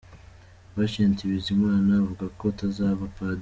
Patient Bizimana avuga ko atazaba Padiri.